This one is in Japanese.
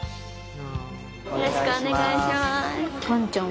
よろしくお願いします。